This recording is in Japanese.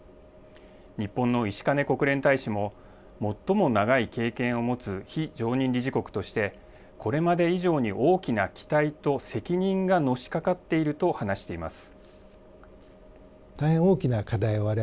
日本の石兼国連大使も最も長い経験を持つ非常任理事国として、これまで以上に大きな期待と責任がのしかかっていると話しています。